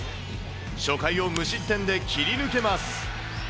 初回を無失点で切り抜けます。